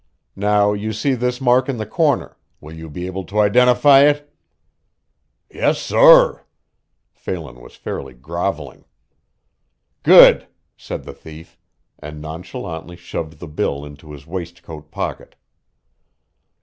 Now you see this mark in the corner will you be able to identify it?" "Yes, sorr." Phelan was fairly grovelling. "Good," said the thief, and nonchalantly shoved the bill into his waistcoat pocket.